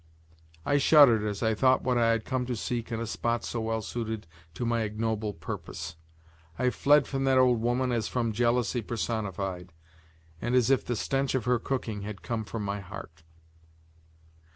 I shuddered as I thought what I had come to seek in a spot so well suited to my ignoble purpose. I fled from that old woman as from jealousy personified, and as though the stench of her dishes had come from my heart.